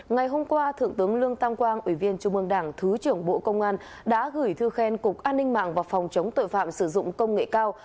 ngày hôm qua thượng tướng lương tam quang ủy viên trung ương đảng thứ trưởng bộ công an đã gửi thư khen cục an ninh mạng và phòng chống tội phạm sử dụng công nghệ cao